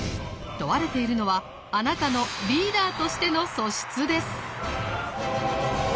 問われているのはあなたのリーダーとしての素質です。